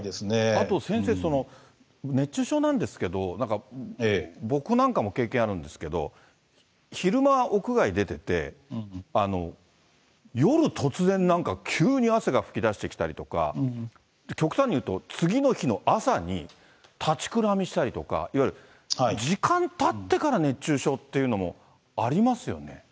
あと先生、熱中症なんですけど、なんか僕なんかも経験あるんですけど、昼間、屋外出てて、夜、突然なんか急に汗が噴き出してきたりとか、極端にいうと、次の日の朝に立ちくらみしたりとか、いわゆる時間たってから熱中症っていうのもありますよね？